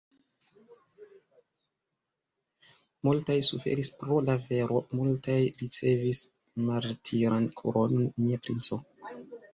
Multaj suferis pro la vero, multaj ricevis martiran kronon, mia princo!